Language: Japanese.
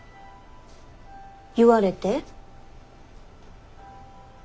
言われて？